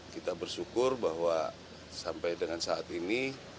kita bersyukur bahwa sampai dengan saat ini